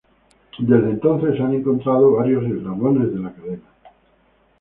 Desde entonces se ha encontrado varios "eslabones de la cadena".